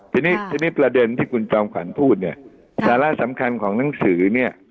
ทีนี้ประเด็นที่คุณจอมขวัญพูดศาละสำคัญของหนังสือ